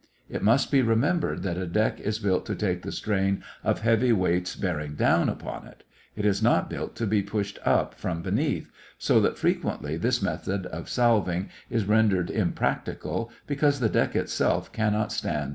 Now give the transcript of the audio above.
It must be remembered that a deck is built to take the strain of heavy weights bearing down upon it. It is not built to be pushed up from beneath, so that frequently this method of salving is rendered impracticable because the deck itself cannot stand the strain.